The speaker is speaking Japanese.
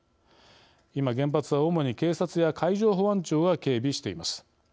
今、原発は主に警察や海上保安庁が警備しています。